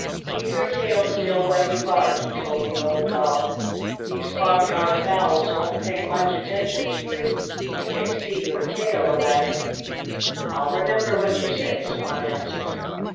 "Keep your tail still when you bark," he told the old dog. "These farmyard fowls won't pay much attention to you if they see your tail a wagging." "I'll remember what you say," Spot answered.